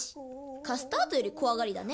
カスタードより怖がりだね。